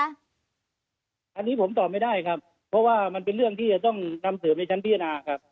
อันนี้ผมตอบไม่ได้ครับเพราะว่ามันเป็นเรื่องที่จะต้องนำเสริมในชั้นพิจารณาครับ